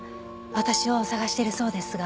私を捜してるそうですが。